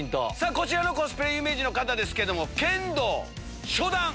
こちらのコスプレ有名人の方ですけど。